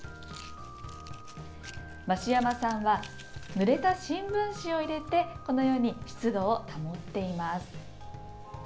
増山さんは、ぬれた新聞紙を入れて湿度を保っています。